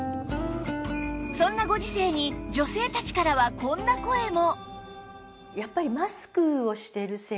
そんなご時世に女性たちからはこんな声も